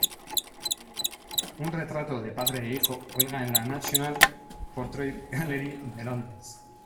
Un retrato de padre e hijo cuelga en la National Portrait Gallery de Londres.